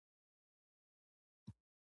ستا د مالوماتو دپاره بايد ووايم.